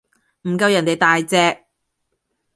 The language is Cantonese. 唔夠人哋大隻